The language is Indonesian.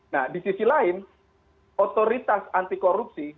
nah di sisi lain otoritas antikorupsi